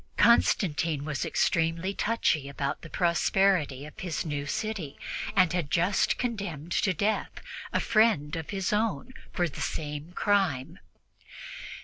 Constantine was extremely touchy about the prosperity of his new city and had just condemned to death a friend of his own for the same crime.